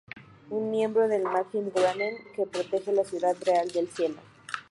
Una miembro del "Majestic Garden" que protege la ciudad real del Cielo.